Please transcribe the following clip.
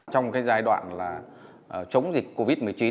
trong cái giai đoạn là chống dịch covid một mươi chín